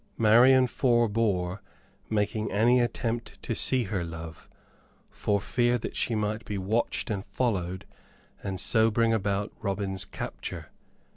Marian forebore making any attempt to see her love, for fear that she might be watched and followed, and so bring about Robin's capture.